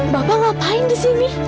bapak ngapain disini